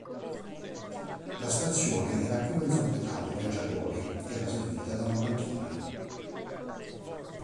La stazione era priva di fabbricato viaggiatori era servita da una banchina.